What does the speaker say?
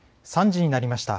３時になりました。